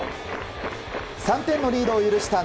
３点のリードを許した